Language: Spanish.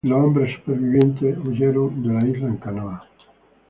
Los hombres sobrevivientes huyeron de la isla en canoa.